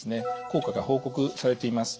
効果が報告されています。